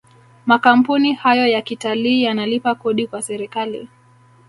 makampuni hayo ya kitalii yanalipa Kodi kwa serikali